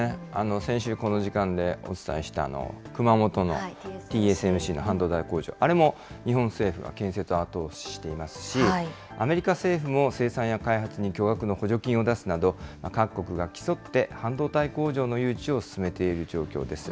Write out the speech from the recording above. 先週、この時間でお伝えした、熊本のＴＳＭＣの半導体工場、あれも日本政府が建設を後押ししていますし、アメリカ政府も生産や開発に巨額の補助金を出すなど、各国が競って半導体工場の誘致を進めている状況です。